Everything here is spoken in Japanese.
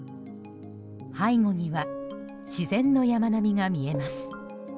背後には自然の山並みが見えます。